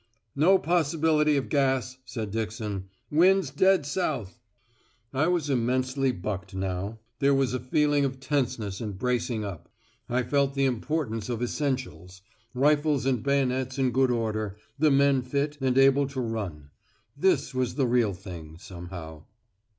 'No possibility of gas,' said Dixon; 'wind's dead south.' I was immensely bucked now. There was a feeling of tenseness and bracing up. I felt the importance of essentials rifles and bayonets in good order the men fit, and able to run. This was the real thing, somehow.